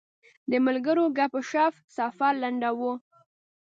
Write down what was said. د ملګرو ګپ شپ سفر لنډاوه.